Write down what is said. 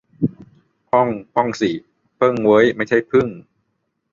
พ่อง - พ่องสิ เพิ่งเว้ย ไม่ใช่พึ่ง